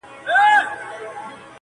ځوان د سگريټو تسه کړې قطۍ وغورځول,